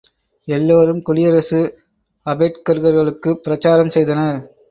எல்லோரும் குடியரசு அபேட்ககர்களுக்காகப் பிரசாரம் செய்தனர்.